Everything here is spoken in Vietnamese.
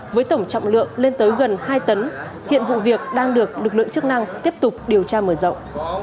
với tổng trọng lượng lên tới gần hai tấn hiện vụ việc đang được lực lượng chức năng tiếp tục điều tra mở rộng